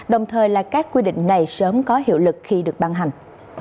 đồng thời là các quy định này sớm có hiệu lực khi được ban hành